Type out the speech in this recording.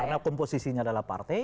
karena komposisinya adalah partai